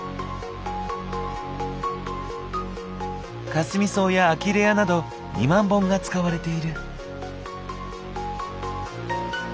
かすみ草やアキレアなど２万本が使われている。